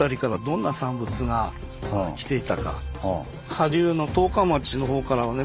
下流の十日町のほうからはね